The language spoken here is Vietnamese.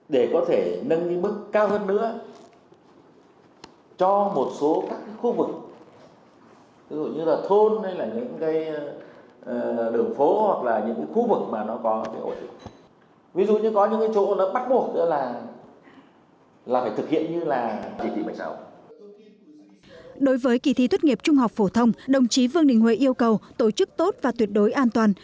đối với kỳ thi tuyết nghiệp trung học phổ thông đồng chí vương đình huệ yêu cầu tổ chức tốt và tuyệt đối an toàn